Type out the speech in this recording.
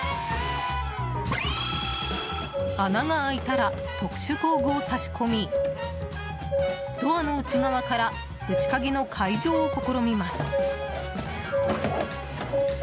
穴が開いたら特殊工具を挿し込みドアの内側から内鍵の解錠を試みます。